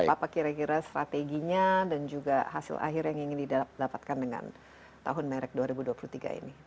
apa kira kira strateginya dan juga hasil akhir yang ingin didapatkan dengan tahun merek dua ribu dua puluh tiga ini